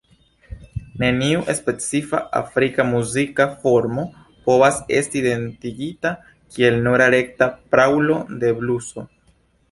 Neniu specifa afrika muzika formo povas esti identigita kiel nura rekta praulo de bluso.